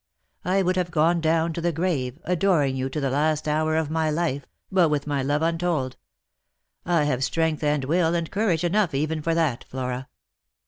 I would have gone down to the grave, adoring you to the last hour of my life, but with my love untold. I have strength and will and courage enough even for that, Flora."